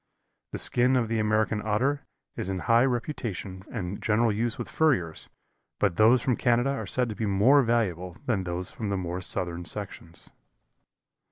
The skin of the American Otter is in high reputation and general use with furriers, but those from Canada are said to be more valuable than those from the more southern sections.